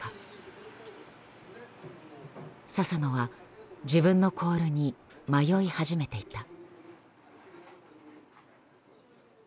佐々野は自分のコールに迷い始めていた。